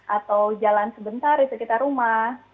atau jalan sebentar di sekitar rumah